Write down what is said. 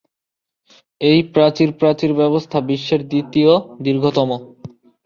এই প্রাচীর প্রাচীর ব্যবস্থা বিশ্বের দ্বিতীয় দীর্ঘতম।